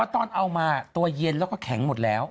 ตอนเอามาตัวเย็นแล้วก็แข็งหมดแล้ว